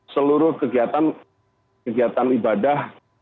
seluruh kegiatan ibadah